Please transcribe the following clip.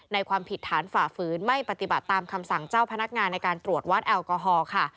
ความผิดฐานฝ่าฝืนไม่ปฏิบัติตามคำสั่งเจ้าพนักงานในการตรวจวัดแอลกอฮอล์ค่ะ